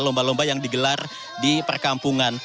lomba lomba yang digelar di perkampungan